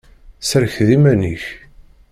Serked iman-ik!